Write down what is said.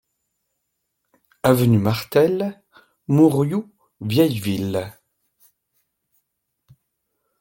Avenue Martel, Mourioux-Vieilleville